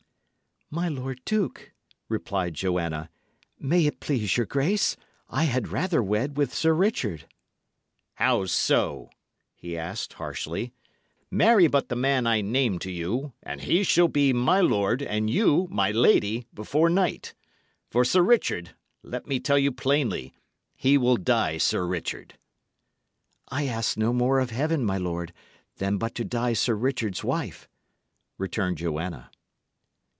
"My lord duke," replied Joanna, "may it please your grace, I had rather wed with Sir Richard." "How so?" he asked, harshly. "Marry but the man I name to you, and he shall be my lord, and you my lady, before night. For Sir Richard, let me tell you plainly, he will die Sir Richard." "I ask no more of Heaven, my lord, than but to die Sir Richard's wife," returned Joanna.